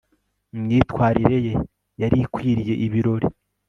imyitwarire ye yari ikwiriye ibirori